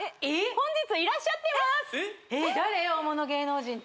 本日いらっしゃってますえっ！？